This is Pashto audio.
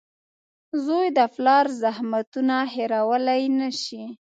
• زوی د پلار زحمتونه هېرولی نه شي.